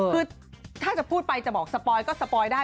คือถ้าจะพูดไปจะบอกสปอยก็สปอยได้